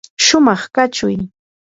shumaq kachuy.